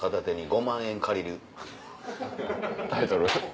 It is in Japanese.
タイトル？